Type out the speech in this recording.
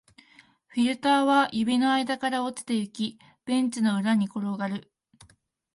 フィルターは指の間から落ちていき、ベンチの裏に転がる